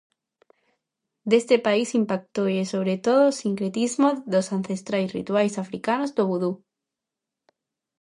Deste país impactoulle sobre todo o sincretismo dos ancestrais rituais africanos do vodú.